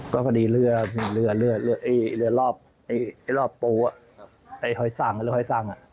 ก็พอดีเรือรอบโป๊ะหอยสั่ง